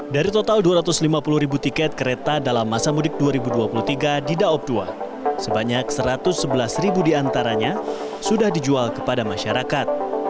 dari total dua ratus lima puluh ribu tiket kereta dalam masa mudik dua ribu dua puluh tiga di daob dua sebanyak satu ratus sebelas ribu diantaranya sudah dijual kepada masyarakat